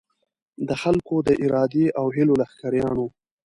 د خلکو د ارادې او هیلو لښکریان وو.